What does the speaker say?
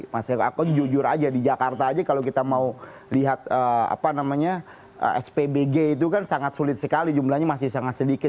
mas eko jujur aja di jakarta aja kalau kita mau lihat spbg itu kan sangat sulit sekali jumlahnya masih sangat sedikit